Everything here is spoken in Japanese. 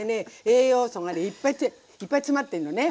栄養素がねいっぱい詰まってんのね。